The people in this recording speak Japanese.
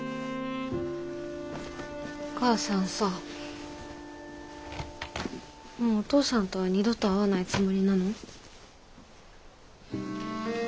お母さんさもうお父さんとは二度と会わないつもりなの？